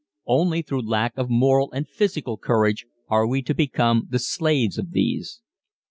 Only through lack of moral and physical courage are we to become the slaves of these.